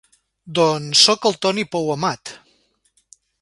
Doncs soc el Toni Pou Amat.